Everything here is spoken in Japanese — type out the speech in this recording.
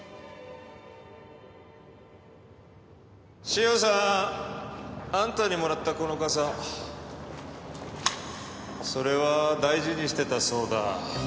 塩さんあんたにもらったこの傘それは大事にしてたそうだ。